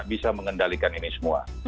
bisa mengendalikan ini semua